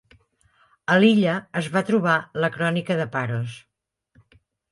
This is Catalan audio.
A l'illa es va trobar la Crònica de Paros.